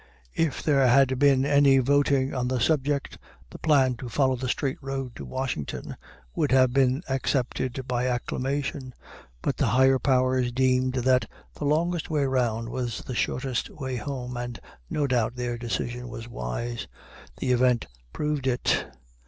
If there had been any voting on the subject, the plan to follow the straight road to Washington would have been accepted by acclamation. But the higher powers deemed that "the longest way round was the shortest way home," and no doubt their decision was wise. The event proved it.